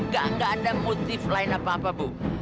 gak ada motif lain apa apa bu